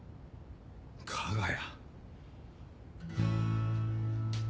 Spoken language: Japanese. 加賀谷。